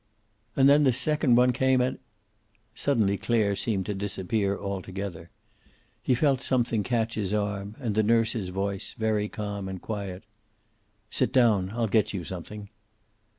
And then the second one came, and " Suddenly Clare seemed to disappear altogether. He felt something catch his arm, and the nurse's voice, very calm and quiet: "Sit down. I'll get you something."